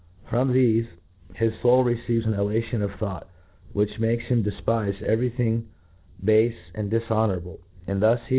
From jhefe, his foul receiver an elevation of thought, which makes him defpife every thing bafe and diflionourable ; and thus he.